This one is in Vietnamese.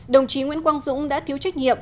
đồng chí nguyễn quang dũng đã thiếu trách nhiệm